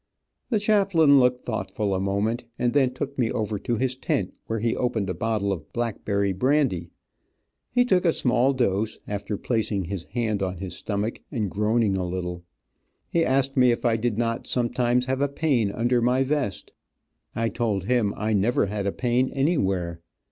The chaplain looked thoughtful a moment, and then took me over to his tent, where he opened a bottle of blackberry brandy. He took a small dose, after placing his hand on his stomach and groaning a little. He asked me if I did not sometimes have a pain under my vest. I told him I never had a pain anywhere.